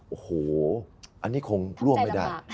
โอ้โหอันนี้คงล่วงไม่ได้